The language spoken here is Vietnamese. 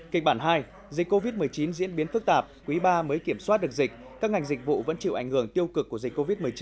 kịch bản hai dịch covid một mươi chín diễn biến phức tạp quý ba mới kiểm soát được dịch các ngành dịch vụ vẫn chịu ảnh hưởng tiêu cực của dịch covid một mươi chín